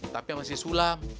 tapi sama si sulam